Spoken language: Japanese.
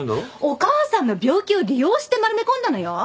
お母さんの病気を利用して丸め込んだのよ？